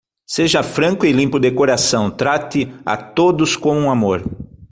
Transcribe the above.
Seja franco e limpo de coração, trate a todos com amor.